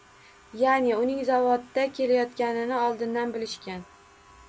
Ya’ni uning zavodga kelayotganini oldindan bilishgan.